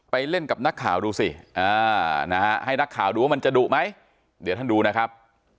เล่นกับนักข่าวดูสิให้นักข่าวดูว่ามันจะดุไหมเดี๋ยวท่านดูนะครับ